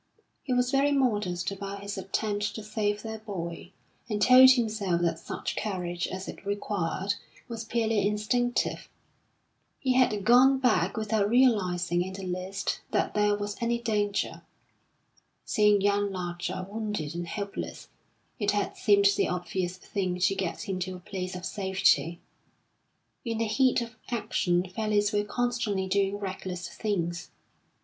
He was very modest about his attempt to save their boy, and told himself that such courage as it required was purely instinctive. He had gone back without realising in the least that there was any danger. Seeing young Larcher wounded and helpless, it had seemed the obvious thing to get him to a place of safety. In the heat of action fellows were constantly doing reckless things.